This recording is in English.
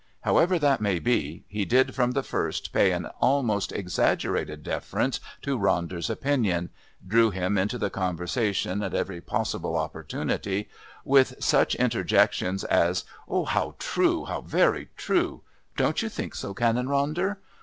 However that may be, he did from the first pay an almost exaggerated deference to Ronder's opinion, drew him into the conversation at every possible opportunity, with such, interjections as "How true! How very true! Don't you think so, Canon Ronder?"